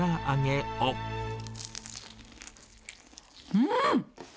うん！